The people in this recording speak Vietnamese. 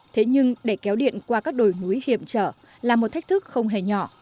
thế nhưng để kéo điện qua các đồi núi hiểm trở là một thách thức không hề nhỏ